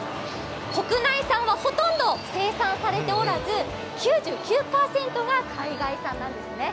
国内産はほとんど生産されておらず、９９％が海外産なんですね。